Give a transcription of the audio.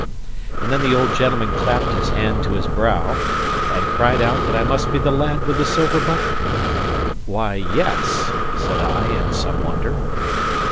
And then the old gentleman clapped his hand to his brow, and cried out that I must be the lad with the silver button. "Why, yes!" said I, in some wonder.